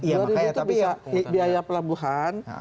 rp dua itu biaya pelabuhan